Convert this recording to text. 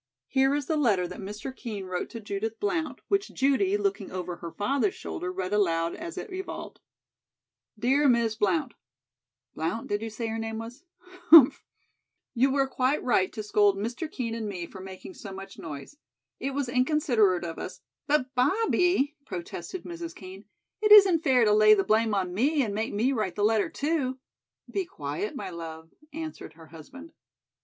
Here is the letter that Mr. Kean wrote to Judith Blount, which Judy, looking over her father's shoulder, read aloud as it evolved: "'Dear Miss Blount:' (Blount, did you say her name was? Humph!) 'You were quite right to scold Mr. Kean and me for making so much noise. It was inconsiderate of us '" "But, Bobbie," protested Mrs. Kean, "it isn't fair to lay the blame on me and make me write the letter, too." "Be quiet, my love," answered her husband.